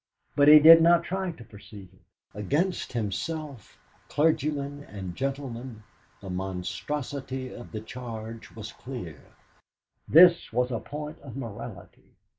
But he did not try to perceive it. Against himself, clergyman and gentleman, the monstrosity of the charge was clear. This was a point of morality.